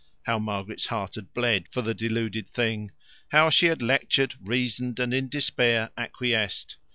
How Margaret's heart had bled for the deluded thing! How she had lectured, reasoned, and in despair acquiesced!